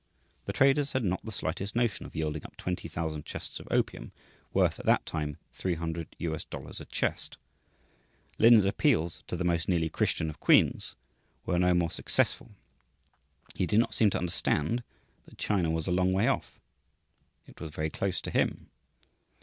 The traders had not the slightest notion of yielding up 20,000 chests of opium, worth, at that time, $300 a chest. Lin's appeals to the most nearly Christian of queens, were no more successful. He did not seem to understand that China was a long way off; it was very close to him.